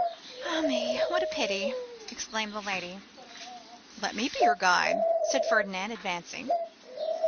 'Ah, me! what a pity!' exclaimed the lady. 'Let me be your guide,' said Ferdinand, advancing.